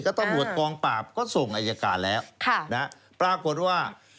ตำรวจกองปราบก็ส่งอายการแล้วปรากฏว่า